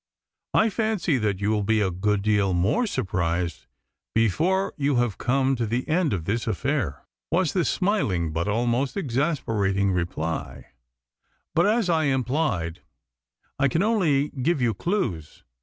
"I fancy that you will be a good deal more surprised before you have come to the end of this affair," was the smiling but almost exasperating reply; "but, as I implied, I can only give you clues.